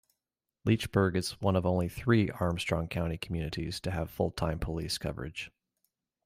Leechburg is one of only three Armstrong County communities to have full-time police coverage.